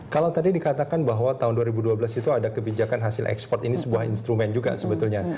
kalau tadi dikatakan bahwa tahun dua ribu dua belas itu ada kebijakan hasil ekspor ini sebuah instrumen juga sebetulnya